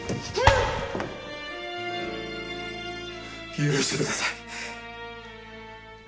許してください。